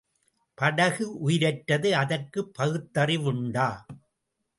படகு உயிரற்றது அதற்குப் பகுத்தறிவுண்டா?